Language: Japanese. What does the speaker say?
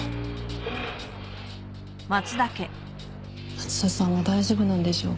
松田さんは大丈夫なんでしょうか。